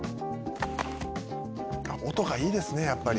音がいいですね、やっぱり。